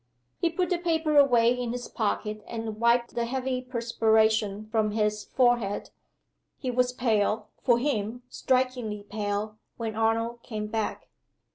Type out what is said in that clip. He put the paper away in his pocket, and wiped the heavy perspiration from his forehead. He was pale for him, strikingly pale when Arnold came back.